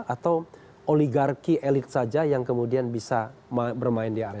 atau oligarki elit saja yang kemudian bisa bermain di angk